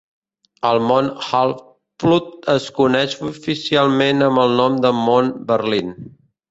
El mont Hal Flood es coneix oficialment amb el nom de mont Berlín.